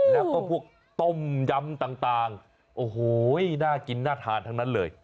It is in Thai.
แล้วก็พวกต้มยำต่างโอ้โหน่ากินน่าทานทั้งนั้นเลย